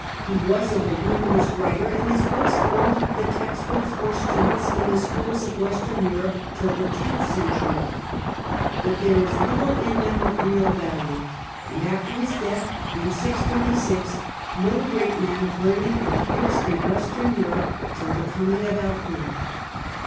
He was a voluminous writer, and his books formed the text books for students in the schools of Western Europe till the tenth century. But there is little in them of real value, and after his death, in 636, no great man of learning appears in Western Europe till the coming of Alcuin.